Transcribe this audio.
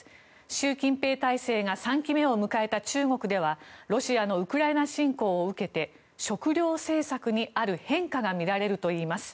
習近平体制が３期目を迎えた中国ではロシアのウクライナ侵攻を受けて食料政策にある変化がみられるといいます。